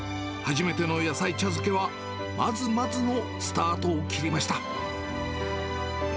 初めての野菜茶漬けは、まずまずのスタートを切りました。